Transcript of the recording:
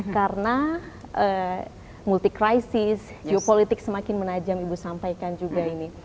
karena multi krisis geopolitik semakin menajam ibu sampaikan juga ini